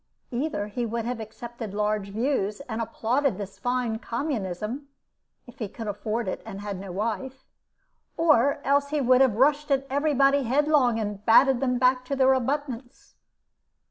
Either he would have accepted large views, and applauded this fine communism (if he could afford it, and had no wife), or else he would have rushed at every body headlong, and batted them back to their abutments.